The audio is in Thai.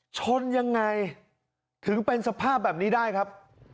ชนยังไงถึงเป็นสภาพแบบนี้ได้ครับ